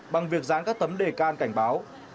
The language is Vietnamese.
bằng việc dán các tấm đề can cảnh báo